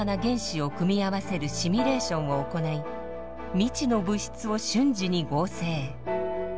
未知の物質を瞬時に合成。